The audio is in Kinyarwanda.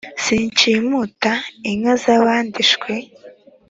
Sinshimuta inka zabandi shwi